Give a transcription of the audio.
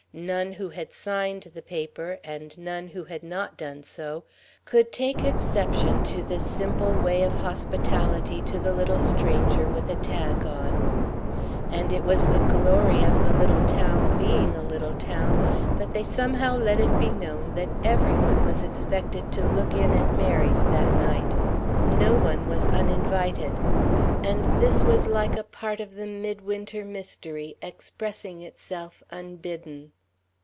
None who had signed the paper and none who had not done so could take exception to this simple way of hospitality to the little stranger with a tag on. And it was the glory of the little town being a little town that they somehow let it be known that every one was expected to look in at Mary's that night. No one was uninvited. And this was like a part of the midwinter mystery expressing itself unbidden.